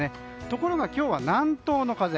ところが、今日は南東の風。